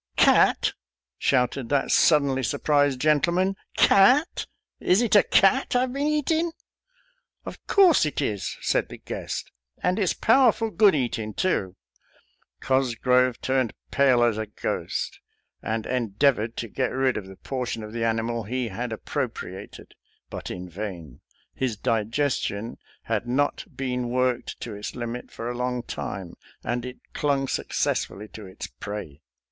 " "Cat?" shouted that suddenly surprised gen tleman ;" cat? Is it a cat I've been eatin' ?"" Of course it is," said the guest ;" and it's powerful good eatin' too." Cosgrove turned pale as a ghost, and en deavored to get rid of the portion of the animal he had appropriated, but in vain. His digestion had not been worked to its limit for a long time, and it clung successfully to its prey.